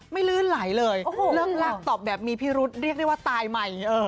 ลื่นไหลเลยเลิกลากตอบแบบมีพิรุษเรียกได้ว่าตายใหม่